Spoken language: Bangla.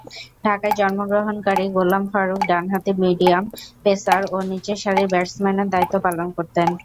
ঢাকায় জন্মগ্রহণকারী গোলাম ফারুক ডানহাতি মিডিয়াম পেসার ও নিচের সারির ব্যাটসম্যানের দায়িত্ব পালন করতেন।